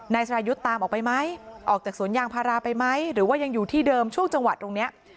นายสรายุทธ์ตามออกไปไหมออกจากสวนยางพาราไปไหมหรือว่ายังอยู่ที่เดิมช่วงจังหวัดตรงเนี้ย